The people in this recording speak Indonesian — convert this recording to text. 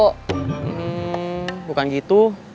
hmm bukan gitu